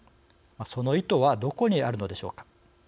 その意図はどこにあるのでしょうか。